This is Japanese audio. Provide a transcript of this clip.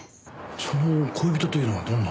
その恋人というのはどんな？